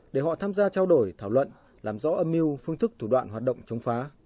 để họ tham gia trao đổi thảo luận làm rõ âm mưu phương thức thủ đoạn hoạt động chống phá